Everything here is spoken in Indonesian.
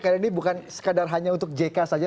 karena ini bukan sekadar hanya untuk jk saja